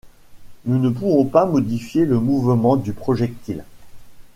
Nous ne pouvons pas modifier le mouvement du projectile?